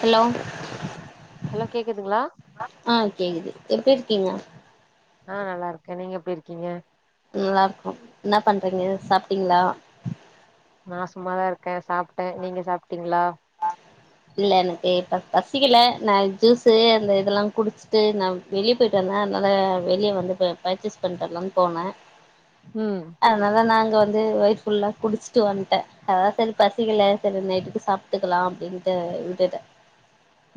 Hello hello கேக்குதுங்களா ஆ கேக்குது எப்டி இருக்கீங்க ஆ நல்லா இருக்கே நீங்க எப்டி இருக்கீங்க நல்லா இருக்கோ என்ன பண்றீங்க சாப்பிட்டீங்களா நா சும்மாதா இருக்கே சாப்ட்டே நீங்க சாப்ட்டீங்களா இல்ல எனக்கு இப்ப பசிக்கல நா ஜூஸு அந்த இதுல்லா குடிச்சிட்டு நா வெளிய போயிட்டு வந்த அதனாலா வெளிய வந்து ப பர்ச்செஸ் பண்ணிட்டு வரலான்னு போனே ம் அதனால நா அங்க வந்து வயிர் ஃபுல்லா குடிச்சிட்டு வந்துட்டே அதா சரி [inaudible] பசிக்கல சொல்லி நைட்டுக்கு சாப்ட்டுக்கலா அப்டின்ட்டு விட்டுட்ட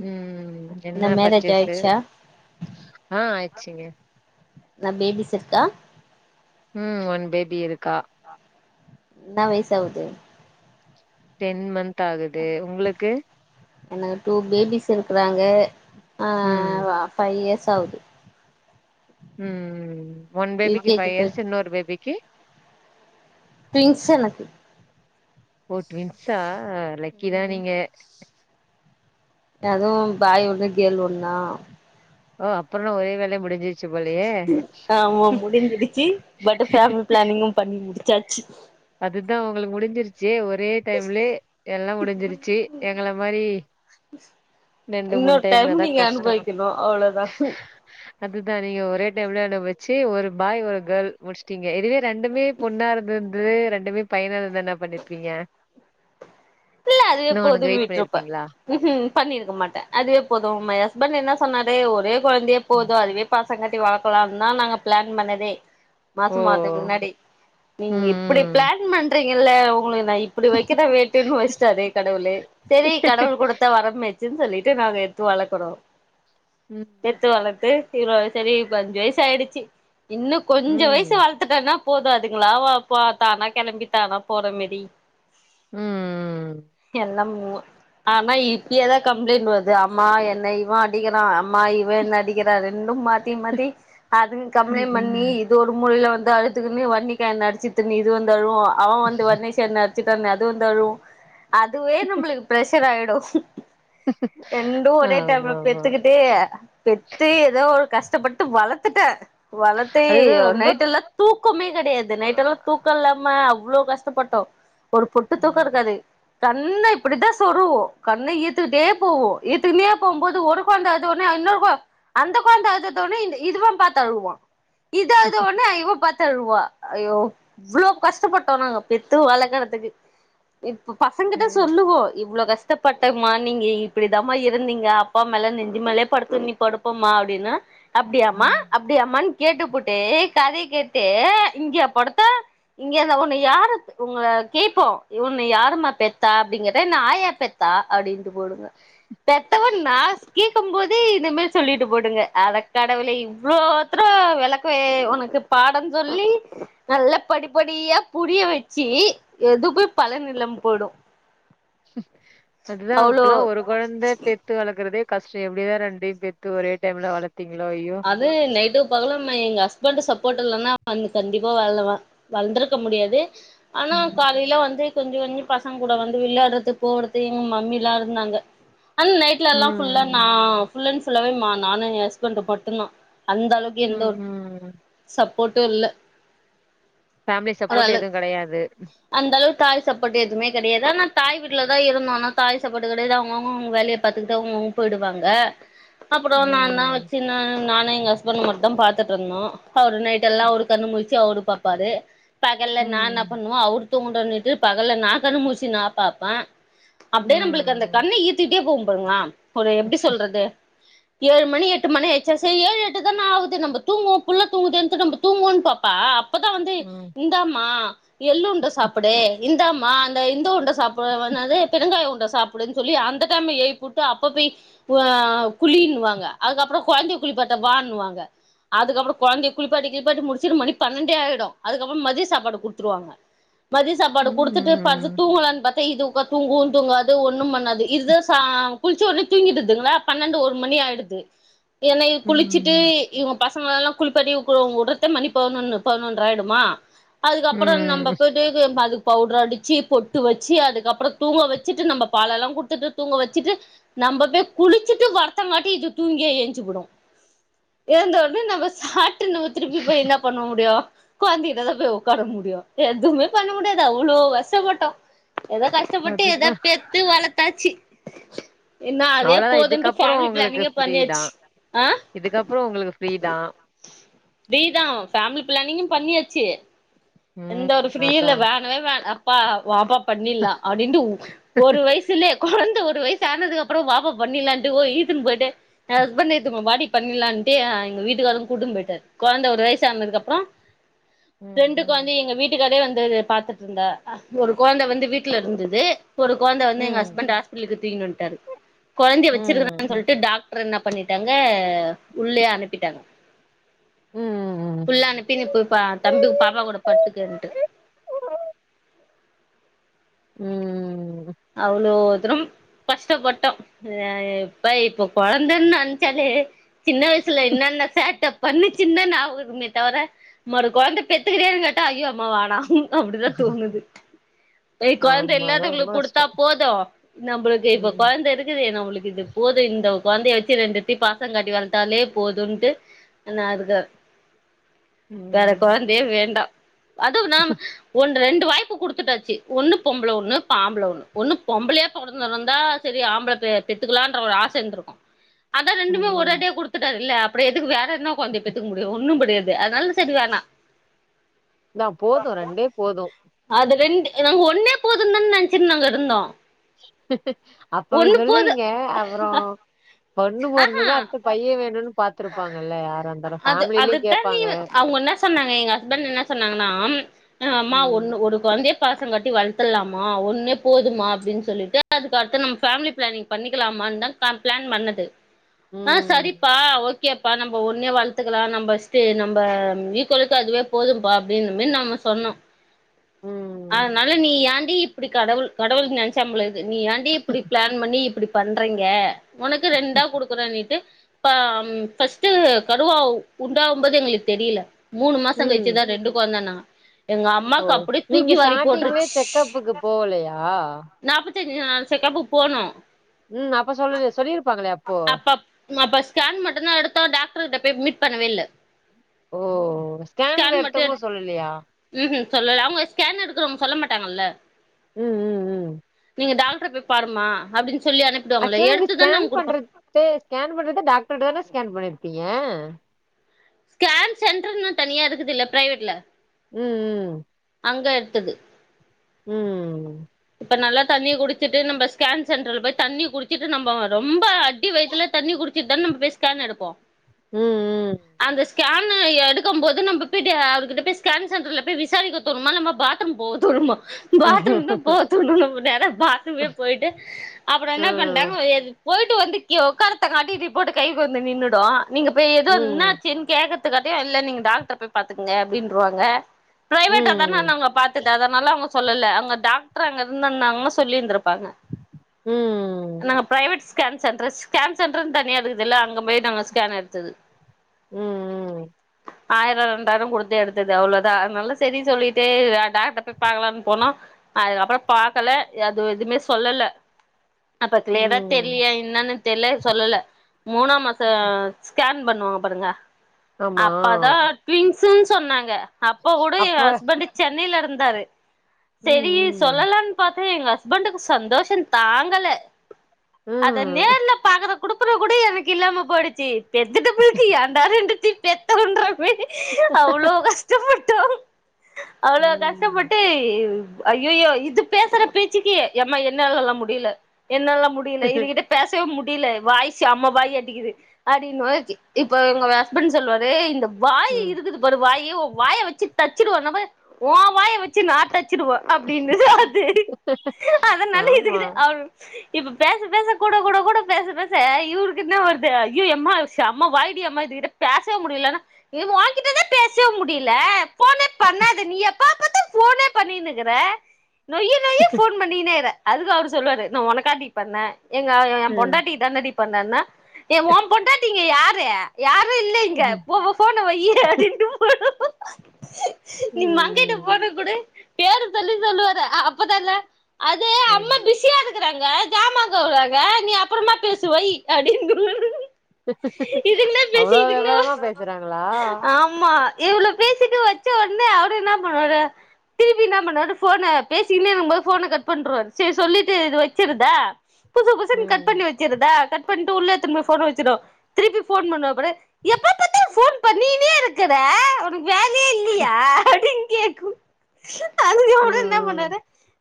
ம் ம் என்னா மேரேஜ் பர்ச்சேஸ்ஸு ஆயிடுச்சா ஆ ஆயிச்சிங்க நா பேபிஸ் இருக்கா ம் ஒன் பேபி இருக்கா என்னா வயசு ஆவுது டென் மன்த் ஆகுது உங்க்ளுக்கு எனக்கு டூ பேபிஸ் இருக்குறாங்க ஆ ம் ஃபைவ் இயர்ஸ் ஆகுது ம் ம் ஒன் யூ பேபிக்கு கே ஜி ஃபைவ் இயர்ஸ் போயிட் இன்னொரு பேபிக்கு டுவின்ஸ் எனக்கு ஓ ட்வின்ஸா லக்கி தா ம் நீங்க அதுவு பாய் ஒண்ணு கேர்ல் ஒண்ணா ஓ அப்புற என்ன ஒரே வேலையா முடிஞ்சு ஆமா முடிஞ்சிருச்சு பட் ஃபமிலி ப்ளனிங்கு பண்ணி முடிச்சாச்சு அதுதா உங்களுக்கு முடிஞ்சிருச்சு ஒரே ஒரே டைம்லே எல்லா முடிஞ்சிருச்சு எங்கள மாரி ரெண்டு மூணு இன்னொரு டைம் டைம்னாதா நீங்க கஷ்ட அனுபவிக்கணு அவ்ளோதா அதுதா நீங்க ஒரே டைம்ல [unintelligible] வச்சு ஒரு பாய் ஒரு கேர்ல் முடிச்சுட்டீங்க இதுவே ரெண்டுமே பொண்ணா இருந்து இதுவே ரெண்டுமே பயனா இருந்தா என்ன பண்ணிருப்பீங்க இல்ல அதுவே இன்னு ஒன்னுக்கு போதுன்னு வெயிட் விட்டுருப்ப பண்ணிருப்பீங்களா ம்கு பண்ணிருக்க மாட்ட அதுவே போது மை ஹஸ்பண்ட் என்ன சொன்னாரு ஒரே குழந்தையே போது அதுவே பாசங்காட்டி வளர்க்கலானுதா நாங்க ப்ளன் பண்ணதே மாசமா ஆகுறத்துக்கு ஓ முன்னாடி நீங்க இப்டி ம் பிளான் பண்றீங்கல்ல உங்களுக்கு நா இப் இப்டி வைக்கிற வேட்டுன்னு வச்சிட்டாரு கடவுள் சரி கடவுள் கொடுத்தா வரம் பாச்சு சொல்லிட்டு நாங்க எடுத்து வளக்கறோ ம் பெத்து வளர்த்து இவ்வளோ சரி இப்ப அஞ்சு வயசு ஆயிச்சு இன்னு கொஞ்ச வயசு ம் வள துட்டனா போது அதுங்களா தானா கிளம்பி தானா போற மாரி ம் ம் என்னமோ ஆனா இப்பயதா கம்ப்ளைண்ட் வருது அம்மா என்ன இவ அடிக்குறா அம்மா இவ என்ன அடிக்கிறா ரெண்டு மாத்தி மாத்தி அது ம் கம்ப்ளைண்ட பண்ணி ம் ஒரு மூலைல வந்து அழுத்துக்குன்னு வன்னிகா என்ன அடிச்ச்சுன்னு இது வந்து அழு அவ வந்து வர்ன்னிசா என்ன அடி அடிச்சிட்டான்ணு அது வந்து அழு அதுவே நம்மளுக்கு ப்ரஷர் ஆயிடு ரெண்டு ஒரே ஆமா டைம்ல ஆமா பெத்துக்கிட்டு பெத்து பெத்து ஏதோ ஒரு கஷ்டப்பட்டு வளர்த்துட்ட வளத்து அதுதா ரொம்ப நைட் எல்லா தூக்கமே கிடையாது அ நைட் எல்லா தூக்க இல்லாம அவ்ளோ கஷ்ட பட்டோ ஒரு பொட்டு தூக்க இருக் ம் கண்ண இப்டிதா சொருவோ கண்ண ஈத்துக்கிட்டே போவு ஈத்துக்குன்னே போகும்போது ஒரு குழந்த அழுதோன்னே இன்னொரு அந்த குழந்த அழுதோன்னே இந்த இதுவு பாத்து அழுவுவா இது அழுதோன்னே இவ பாத்து அழுவா ஐயோ இவ்வளோ கஷ்டப்பட்டோ நாங்க பெத்து வளர்க்கறத்துக்கு இப்ப பசங்கிட்ட ம் சொல்லுவோ இவ்ளோ கஷ் கஷ்டப்பட்டம்மா நீங்க இப்டிதமா இருந்தீங்க அப்பா மேல நெஞ்சு மேல படுத்து நீ படுப்பமா அப்டின்னு அப்டிய அம்மா ம் அப்டிய அம்மான்னு கேட்டு புட்டு கதைய கேட்டு இங்கயா படத்த இங்க இருந்த ஒண்ணு யாரு உங்கள கேட்போ உன்ன யாருமா பெத்தா அப்டிங்கற என்ன ஆயா பெத்தா அப்டின்ட்டு போடுங்க பெத்தவ நா கேக் க்கும் போதே இந்த மாதிரி சொல்லிட்டு போடுங்க அத கடவுளே இவ்வளோ தர விளக்க உனக்கு பாட சொல்லி நல்லா படிப்படியா புரிய வச்சு எது போய் பலன் இல்லாம போயிடு அதுதா அவ்ளோ அப்பல்லா ஒரு குழந்த பே பத்து வளர்க்கறதே கஷ்ட எப்டிதா ரெண்டையு பெத்து ஒரே டைம்ல வளர்த்தீங்களோ ஐயோ அது நைட்டு பகலு எங்க ஹஸ்பண்ட் சப்போர்ட் இல்லனா வந்து கண்டிப்பா [unintelligible] வளர்ந்திருக்க முடியாது ஆனா ம் காலையில வந்து கொஞ்சம் கொஞ்சம் பசங்க கூட கொஞ்ச கொஞ்ச பசங்க கூட வந்து விளையாடுறது போறது எங்க மம்மி எல்லா இருந்தாங்க அந்த நைட் வீட்லல்லா ஃபுல்லா நா ம் ஃபுல் அண்ட் ஃபுல்லாவே மா நானு ஏ ஹஸ்பண்ட் மட்டுந்தா அந்தளவுக் எந்த ம் ஒரு ம் சப்போர்ட்டும் இல்ல ஃபேமிலி சப்போர்ட் எதும் கெடையாது அந்தளவுக்கு தாய் சப்போட்டு எதுமே கிடையாது ஆனா தாய் வீட்ல தா இருந்தோ ஆனா தாய் சப்போட்டு கிடையாது அவ்ங்க அவ்ங்க அவங்க வேலைய பாத்துக்கிட்டு அவங்கவங்க போயிடுவாங்க அப்றோ நா தா ம். வச்சு நானு எங்க ஹஸ்பண்ட் மட்டுந்தா பாத்துட்டு இருந்தோ அவரு நைட் எல்லா அவரு கண்ணு முழிச்சு அவரு பாப்பாரு பகல்ல நா என்ன ம். பண்ணுவோ அவ்ர் தூங்க சொல்லிட்டு பகல்ல நா தான மூழிச்சு நா பாப்பே அப்டியே நம்ளுக்கு அந்த ம். கண்ணை ஈத்திட்டே போகு போருங்களா ஒரு எப்படி சொல்றது ஏழு மணி எட்டு மணி சர் சரி ஏழு எட்டு தான் ஆகுது நம்ம தூங்குவோ புள்ள தூங்குதேன்ட்டு நம்ம தூங்குவோன்னு பாப்பா அப்பதா வந்து ம். இந்தாமா எள் உருண்டை சாப்பிடு இந்தாமா அந்த இந்த உண்டை சாப்டு அப்றோ என்னாது பெருங்காயோ உருண்டை சாப்பிடுன்னு சொல்லி அந்த டைம் எழ்ப்பி உட்டு அப்ப போய் வா குளின் வாங்க அதுக்கப்றோ குழந்தைய குழிப்பாட்ட வாணுவாங்க அதுக்கப்றோ கொழந்தைய குளிப்பாட்டி கிளிப்பாட்டி முடிச்சிட்டு மணி பண்ணண்டே ஆகிடு அதுக்கப்றோ மதிய சாப்பாடு குடுத்துருவாங்க [unintelligible] மதிய சாப்பாடு குடுத்துட்டு பத்துட்டு ம். தூங்கலான் பாத் தா இது உக்க தூங்கு தூங்காது ஒண்ணு பண்ணாது இதுதா குளிச்சு ஒட்னே தூங்கிடுதுங்களா பன்னெண்டு ஒரு மணி ஆயிடுது என்ன இது குளிச்சிட்டு ம். இவங்க பசங்கள எல்லா குளிப்பாட்டி உங் உடத்தே மணி பதினொன்னு பதினொன்ற ஆயிடுமா அதுக்கப்றோ நம்ம ம். போய்ட்டு அதுக்கு அதுக் பவுடர் அடிச்சு பொட்டு வச்சு அதுக்கப்றோ தூங்க வச்சிட்டு நம்ம பால் எல்லா கொடுத்துட்டு தூங்க வச்சுட்டு நம்ம பே குளிச்சுட்டு வருத்தங்காட்டி இது தூங்கியா எ ஞ்சிபுடு எழுந்த உடனே நம்ம சாப்ட்டு நம்ம திருப்பி போய் என்ன பண்ண முடியு உட்காந்த இதுல தா போய் உட்காற முடியு எதுமே பண்ண முடியாது அவ்ளோ கஷ்டபட்டோ எதோ கஷ் கஷ்டப்பட்டு ஏதோ அதுதான். பெத்து வளர்த்தாச்சு இன்ன அதே அவ்வளோதான் போது இதுக்கப்புறம் ஃபேமிலி பிளானிங்கே பண்ணியாச்சு இதுக்கப்றோ உங்களுக்கு ஃப்ரீ தா ஃப்ரீ தா ஃபேமிலி பிளானிங்கு பண்ணியாச்சு ம். எந்த ஒரு ஃப்ரீ இல் அதான். வேணவே வே அப்பா வாப்பா பண்ணிர்லா அப்டின்ட்டு ஒரு வயசுலே கொழந்த ஒரு வயசு ஆனதுக்கு அப்றோ வாப்பா பண்ணிர்லான்ட்டு இழுத்துன்னு போயிட்டு எ ஹஸ்பண்டங்க இழுத்துனு போ வாடி பண்ணிர்லான்ட்டு எங்க வீட்டுக்காரரு கூட்டினு போயிட்டாரு கொழந்த ஒரு வயசு ஆனதுக்கு அப்றோ ம் ம் எங்க வீட்டுக்காரே வந்து பாத்துட்டு இருந்தா ஒரு கொழந்தை வந்து வீட்டுல இருந்தது ஒரு கொழந்தை வந்து எங்க ம். ஹஸ்பண்ட் ஹாஸ்பிட்டல இருந்து தூக்கினு வந்துட்டாரு கொழந்தை ம். வச்சிருக்கறான்னு சொல்லிட்டு வந்து டாக்டர் என்ன பண்ணிட்டாங்க உள்ளயே அனுப்பிட்டாங்க ம். ம். உள்ள அனுப்பி நீ போய் பா தம்பி பாப்பா கூட பத்துக்கன்ட்டு ம் அவ்ளோ திரம் கஷ்டப்பட்டோ இப்ப இப்ப குழந்தைன்னு நினைச்சாலே சின்ன வயசுல என்னென்ன சேட்டப் பண்ணுச்சின்னு தா ஞாபகோ இருக்குமே தவிர மறு குழந்தை பெத்துக்கிறியான்னு கேட்டா ஐயோ அம்மா வேணா அப்டிதா தோணுது இதுவே கொழந்த ஆமா. ரொம்ப இல்லாதவங்களுக்கு கொடுத் விததா கஷ்டம். போது நம்மளுக்கு இப்ப ம். கொழந்த இருக்குது நம்மளுக்கு இது போது இந்த குழந்தைய வச்சு ரெண்டுத்தயு பாசோ காட்டி வளர்த்தாலே போதும்ன்ட்டு நா இருக்கறே [unintelligible] வேற ம். கொழந்தையே வேண்டா அதுவு நாம ஒன் ரெண்டு வாய்ப்பு குடுத்துட்டாச்சு ஒன்னு பொம்பள ஒன்னு ப்ப ஆம்பள ஒன்னு ஒன்னு பொம்பளயா பொறந்திருந்தா செரி ஆம்பள பெ பெத்துக்லான்ற ஒரு ஆச இர்ந்திருக்கு அதா ரெண்டுமே ம். ஒரடியா குடு த்துட்டாருல அப்றோ எதுக்கு வேற என்ன கொழ்ந்தய பெத்துக்க முடியு ஒன்னு முடியாது அதனால செரி வேணா நா போது ரெண்டே போது அது ரெண்டு நாங்க ஒன்னே போதுந்தானே நென்ச்சிட் நாங்க இருந்தோ அப்ப அப்டி ஒன்னு போது சொல்லுவீங்க அப்றோ பொண்ணு ஆஹா பொறந்ததா அட்த்து பையே வேணுன் பாத்துருப்பாங்கள்ல யாராந்தாலு ஃபேம்லிலியு கேப்பாங்க அவுங்க என்னா சொன்னாங்க எங்க ஹஸ்பண்ட் என்ன சொன்னாங்னா அ அம்மா ம் ஒண்ணு ஒரு கொழ்ந்தய பாசோ கட்டி வள்த்துலாமா ஒன்னே போதுமா அப்டின் சொல்லிட்டு அதுக்கு அத்து நம்ம பேம்லி பிளானிங் பண்ணிக்லாமான் தா பிளான் பண்ணது ஆ ம் சரிப்பா ஓ கேப்பா நம்ப ஒன்னே வளத்துக்கலா நம்ப ஸ்டே நம்ப ஈக்கோளுக்கு அதுவே போதும்பா அப்டின்னமேரி நம்ம சொன்னோ [unintelligible] ம் அதனால நீ யான்டி இப்டி கடவுள் கடவுள் நென்ச்சா போலக்குது நீ யான்டி இப்டி பிளா ன் பண்ணி இப்டி பண்றீங்க ஒனக்கு ரெண்டா குடுக்குறேனி ட்டு ப ஃபஸ்ட்டு கருவா உண்டாங்கும்போது எங்களுக் தெரில மூனு மாசோ ம் கழ்ச்சுதா ரெண்டு கொழந்தனாங்க எங்க ஓ அம்மாக்கு அப்டியே நீங்க தூக்கி வாரி ஸ்டார்டிங்லயே போட்ருச்சு செக்கப்புக்கு போகலையா நாப்பத்தஞ்சு நாள் செக்கப்பு போனோ ம் அப்ப சொல்லல சொல்லிரு அப்பப் அப்ப ஸ்கேன் மட்டுந்தா எடுத்தோ டாக்டர்கிட்ட போய் மீட் பண்ணவே இல்ல ஓ ஸ்கேன்ல எடுத்தோங்க சொல்லலியா ம் ஹும் சொல்லல அவுங்க ஸ்கேன் எடுக்குறவங்க சொல்ல மாட்டாங்கள்ல ம் ம் ம் நீங்க டாக்ட்ர போய் பாருமா அப்டின் ஆக்சுவலா நீங்க ஸ்கேன் பண்ற தே ஸ்கேன் பண்றது டாக்டர்ட்ட தானே ஸ்கேன் பண்ணிருப்பீங்க ஸ்கேன் சென்ட்ருனு தனியா இருக்குதுல்ல ப்ரைவெட்ல ம் ம் அங்க எத்தது ம் இப்ப நல்லா தண்ணிய குடிச்சுட்டு நம்ப ஸ்கேன் சென்ட்ருல போய் தண்ணி குடிச்சுட்டு நம்ப ரொம்ப அ டி வயித்துல தண்ணி குடிச்சிட் தானே நம்ப போய் ஸ்கேன் எடுப்போ ம் ம் அந்த ஸ்கேனு எடுக்கம் போது நம்ப போய்ட்டு அவர் கிட்ட போய் ஸ்கேன் சென்ட்ருல போய் விசாரிக்க தோனுமா நம்ம பாத்ரூம் போக தோனுமா ம் பாத்ரூம் தா போவத்தோனு நம்ம நேரா போய் பாத்ரூமே போய்ட்டு அப்றோ என்ன ம் பண்ட்டாங்க போய்ட்டு வந்து கீழ ஒக்காரத்தங்காட்டி ரிப்போட்டு கைக்கு வந்து நின்னுடு நீங்க போய் எதோ ம் என்னாச்சின் கேக்க த்துக்காட்டி இல்ல நீங்க டாக்ட்ர போய் பாத்துங்க அப்டின்ருவாங்க ப்ரைவெட்டா தானே ம் நாங்க பாத்தது அதனால அவுங்க சொல்லல அங்க டாக்ட்ரு அங்க இருந்துன்னாங்னா சொல்லி இருந்திருப்பாங்க ம் நாங்க பிரைவெட் ஸ்கேன் சென்ட்ரு ஸ்கேன் சென்ட்ருன் தனியா இருக்குதுல்ல அங்க போய் நாங்க ஸ்கேன் எட்த்தது ம் ம் ஆய்ரோ ரெண்டாய்ரோ குடுத்து எடுத்தது அவ்ளோதா ஆனால செரி சொல்லிட்டு டாக்ட்ர போய் பாக்லான் போனோ அதுக்கப்பறோ பாக்கல அது எதுமே சொல்லல அப்ப க்ளியரா ம் தெர்லியா இன்னான்னு தெர்ல சொல்லல மூணாம் மாசோ ஸ்கேன் பண்ணுவாங்க பாருங்க ஆமா அப்பதா ட்வின்ஸு சொன்னாங்க அப்ப கூட எ ஹஸ்பண்டு சென்னைல இருந்தாரு ம் ரி ம் சொல்லலான் பாத்தே எங்க ஹஸ்பண்டுக்கு சந்தோஷோ தாங்கல அத ம் நேர்ல பாக்கற குடுப்பன கூடி எனக் இல்லாம போய்டுச்சி பெத்துட்ட பிள்க்கு ஏ ன்டா ரெண்டுத்தி பெத்தோன்ற மாரி அவளோ கஷ்டப்பட்டோ அவளோ ம் கஷ்டப்பட்டு ஐயயோ இது பேசற பேச்சுக்கி எம்மா என்னாலல்லா முடியில என்னால்லா முடியில இது கிட்ட பேசவே முடியில வாயி செம்ம வாய் அடிக்கிது அப்டின் [unintelligible] இப்ப எங்க வ ஹஸ்பண்ட் சொல்வாரு இந்த வாய் ம் இருக்குது பாரு வாயி உ வாய வச்சி தச்சிடுவன்னுபோ உ வாய வச்சி நா தச்சிடுவ அப்டின்னுது அது அத நல்லா ஆமா இதுக்கிது அவ் இப்ப பேச பேச கூட கூட கூட பேச பேச இவுருக்கு இன்னா வர்து ஐயோ எம்மா செம்ம வாய்டி அம்மா இது கிட்ட பேசவே முடிலன்னா இது உங்கிட்டதா பேசவே முடியில ஃபோனே பண்ணாத நீயி எப்ப பாத்தா ஃபோனே பண்ணினுக்கற நொய்யி ஹ [unintelligible] பண்ணிகினே இக்கற அதுக்கு அவரு சொல்லுவாரு நா உனக்காடி பண்ணே எங்க ஏ ஏ ம் பொண்டாட்டிக் தானடி பண்ணேன்னா ஏ உம்பொண்டாட்டி இங்க யாரு யாரு இல்ல இங்க ம் போ ஃபோன வையி அப்டின்ட்டு போய்டு நீ மங்கைட்ட ஃபோன குடு பேரு சொல்லி சொல்லுவாரு அ அப்பதால்ல அது ம் பிசியா இருக்கறாங்க ஜாமா கழ்வுறாங்க நீ அப்பறமா பேசு வை அப்டிங்கு இதுங்ளே பேசி அவ்ளோ இதுங்ளே அ விவரமா பேசுறாங்களா ஆம்மா இவ்ளோ பேசிட்டு வச்ச உட்னே அவுரு இன்னா பண்ணுவாரு இன்னா பண்ணுவாரு ஃபோன பேசின்னே இர்க்கும்போது ஃபோன கட் பண்ருவாரு சேரி சொல்லிட்டு இது வச்சிருதா புசு புசுக்னு கட் ம் பண்ணி வெச்சிருதா கட் பண்ட்டு உள்ள எத்துன் போய் ஃபோன வச்சிரு திருப்பி ஃபோன் பண்ணுவா பாரு எப்ப பாத்தால் ஃபோன் பண்ணினே இருக்கற உனக் வேலயே இல்லியா அப்டின் கேக்கு அதுக்கு ம் பண்வாரு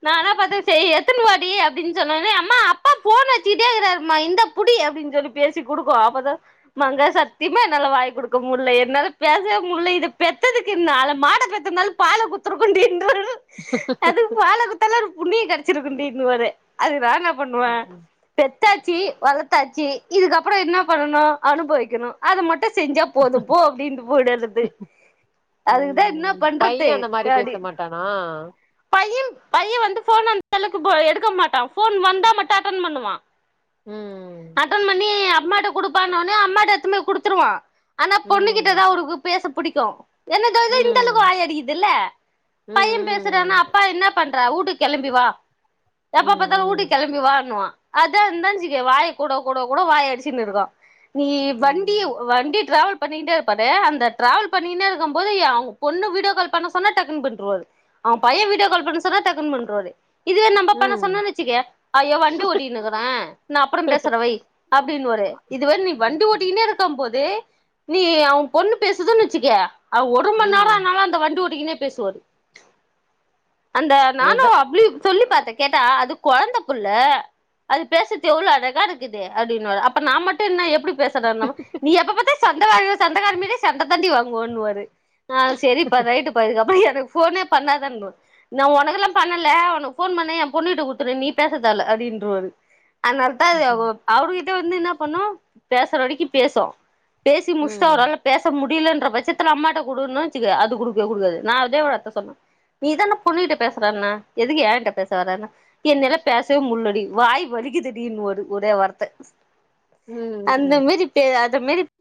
நானா பாத்து சேரி எத்துன் வாடி அப்டின் சொன்ன உன்னே அம்மா அப்பா ஃபோன் அட்ச்சிகிட்டே இக்கறார்மா இந்தா புடி அப்டின் சொல்லி பேசி குடுக்கு அப்பதா மங்கா சத்தியமா என்னால வாய் குடுக்க முட்ல என்னால பேசவே முட்ல இத பெத்ததுக்கு நாலு மாட பெத் திர்ந்தாலு பால குத்துருக்குன்டின்றாரு அது பால குத்தாலு ஒரு புண்ணியங்கெடச் சிருக்குன்டினுவாரு அதுக்கு நா இன்னா பண்ணுவே ம் பெத்தாச்சி வளத்தாச்சி இதுக்கப்பறோ இன்னா பண்ணனு அனுபவிக்கணு அத மட்டு செஞ்சா போது போ அப்டின்ட்டு போய்டறது அதுக்குதா இன்னா பண்றத்து [unintelligible] ரி பேச மாட்டானா பையன் பைய வந்து ஃபோன் அந்தளவுக்கு போ எடுக்க மாட்டா ஃபோன் வந்தா மட்டு அட்டன் பண்ணுவா ம் அட்டன் பண்ணி அம்மாட்ட குடுப்பான்ன உன்னே அம்மாட்ட எத்துன் போய் குடுத்துருவா ஆனா ம் பொண்ணுகிட்டதா அவுருக்கு பேச புடிக்கு ஏனா இதோதா இந்தளவுக்கு ம் வாய் அடிக்கிதுல்ல ம் ம் பேசுடான்னா அப்பா என்னா பண்றா ஊட்டுக் கெளம்பி வா எப்பா பாத்தாலு ஊட்டுக் ம் கெளம்பிவாண்ணுவா அதா இருந்தான் சித்தியே வாய் கூடோ கூடோ கூடோ வாய் அடிச்சினு இருக்கு நீ வண்டிய ம் வண்டி டிராவல் பண்ணிட்டே இருப்பாரு அந்த டிராவல் பண்ணினே இருக்கு போது அவுங்க பொண்ணு வீடியோ கால் பண்ண சொன்னா டக்குன் பண்றுவாரு அவே பைய வீடியோ கால் பண்ண சொன்ன டக்குனு பண்றுவாரு இதுவே நம்ம பண்ண ம் சொன்னோன்னோனு வேச்சிக்க ஐயோ வண்டி ஓட்டின்னு இருக்குறே நா அப்றோ பேசுறவை அப்டின்னுவாரு இதுவே நீ ம் வண்டி ஓட்டின்னே இருக் இருக்கு போது நீ அவ பொண்ணு பேசுதுன்னு வெச்சிக்க அவ ஒரு மணி நேர ம் ஆனாலு அந்த வண்டி ஓட்டிகினே பேசுவாரு அந்த நானு அதுதா அப்டியே சொல்லி பாத்தே கேட்டா அது கொழந்த புள்ள அது பேசறது எவ்ளோ அழகா இருக்குது அப்டின்னுவாரு அப்ப நா மட்டு என்ன எப் அப்புடி பேசற இன்னம்னா நீ எப்ப பாத்த சண்டகாரி சண்டகாரிமேரி சண்டதாண்டி வாங்குவே இன்னுவாரு ஆ சேரிப்பா ரைட்டுப்பா இதுக்கப்றௌ எனக்கு ஃபோனே பண்ணாத இன்னுவை நா உனக்கெல்லா பண்ணல உனக்கு ஃபோன் பண்ணா எயா பொண்ணுகிட்டு குடுத்துரு நீ பேச தேவல்ல அப்டின்ருவாரு அதனால்தா இது ம் அவரு கிட்ட வந்து என்னா பண்ணு பேசுறவரைக்கு பேசு பேசி முடிஷ்ட்டு ம் அவரால பேச முடியலன்ற பட்சத்து அம்மாட்ட குடுன்னு வெச்சுக்கோ அது குடுக் குடுக்கவே குடுக்காது நா அதே வார்த்த சொன்னே நீதானே பொண்ணுட்ட பேசுறன்ன எதுக்கு ஏங்கிட்ட பேச வரன்னா என்னால்ல பேசவே முள்ளடி வாய் வலிக்குதுடினு வாரு ஒரே வார்த்த அந்த ம் மேரி பே அது மேரி